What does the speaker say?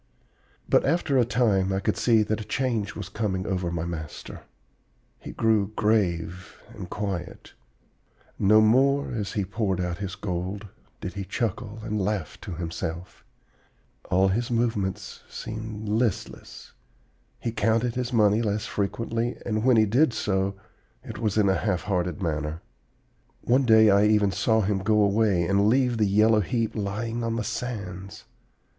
"But after a time I could see that a change was coming over my master. He grew grave and quiet. No, more, as he poured out his gold, did he chuckle and laugh to himself. All his movements seemed listless. He counted his money less frequently, and when he did so it was in a half hearted manner. One day I even saw him go away and leave the yellow heap lying on the sands.